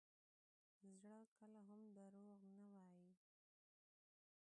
زړه کله هم دروغ نه وایي.